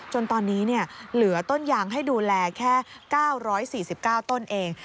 จนตอนนี้เหลือต้นยางให้ดูแลแค่๙๔๙ต้นเอง